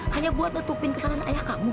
hanya buat menutupi kesalahan ayah kamu